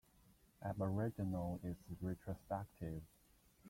Aboriginal is retrospective.